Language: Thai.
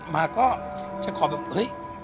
มาก็จะขอแบบเฮ้ย